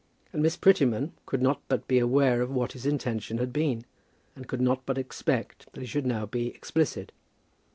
And Miss Prettyman could not but be aware of what his intention had been, and could not but expect that he should now be explicit.